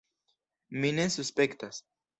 Mi ne suspektas.